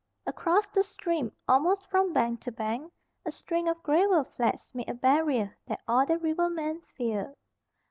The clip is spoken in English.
Across the stream, almost from bank to bank, a string of gravel flats made a barrier that all the rivermen feared.